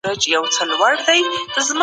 کوچیان د کندهار په مالدارۍ کي څه ونډه لري؟